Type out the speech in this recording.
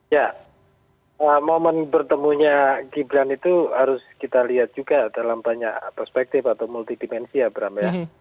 ya momen bertemunya gibran itu harus kita lihat juga dalam banyak perspektif atau multidimensi ya bram ya